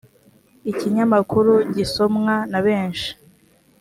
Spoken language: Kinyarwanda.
ikinyamakuru gisomwa na benshi .